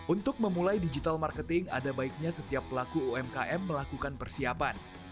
untuk memulai digital marketing ada baiknya setiap pelaku umkm melakukan persiapan